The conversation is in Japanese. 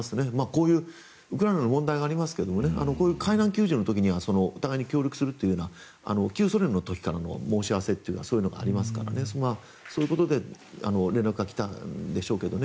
こういうウクライナの問題がありますがこういう海難救助の時にはお互いに協力するような旧ソ連の時からの申し合わせというかそういうのがありますからそういうことで連絡がきたんでしょうけど。